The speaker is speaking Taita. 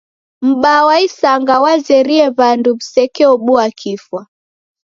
M'baa wa isanga wazerie w'andu w'isekeobua kifwa.